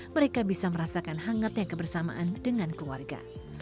mereka bisa merasakan hangatnya kebersamaan dengan keluarga